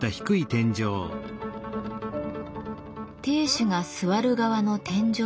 亭主が座る側の天井は低く。